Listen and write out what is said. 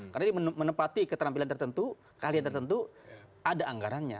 karena menepati keterampilan tertentu kalian tertentu ada anggarannya